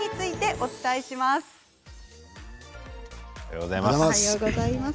おはようございます。